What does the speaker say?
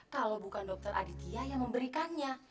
kalau bukan dokter aditya yang memberikannya